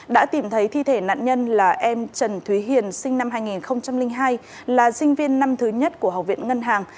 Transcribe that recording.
đã tìm thấy thi thể nạn nhân là em trần thúy hiền sinh năm hai nghìn hai là sinh viên năm thứ nhất của học viện ngân hàng